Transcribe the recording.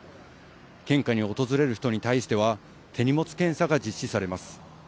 献花に訪れる人に対しては、手荷物検査が実施されます。